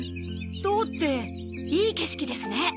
どうっていい景色ですね。